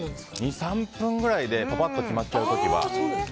２３分くらいでパパッと決まっちゃう時は。